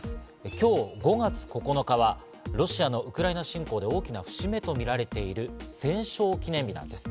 今日５月９日はロシアのウクライナ侵攻で大きな節目とみられている戦勝記念日なんです。